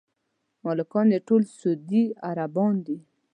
مالکان یې ټول سعودي عربان دي.